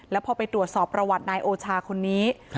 แล้วพอไปตรวจสอบประวัตินายโอชาคนนี้